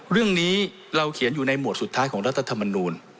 เรื่องนี้เราเขียนอยู่ในหมวดสุดท้ายของรัฐธรรมนูล